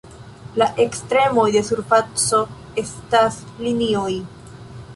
La ekstremoj de surfaco estas linioj.